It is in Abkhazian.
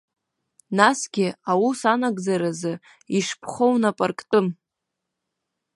Насгьы, аус анагӡаразы ишԥхоу нап арктәым.